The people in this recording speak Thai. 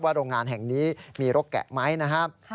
โรงงานแห่งนี้มีรกแกะไหมนะครับ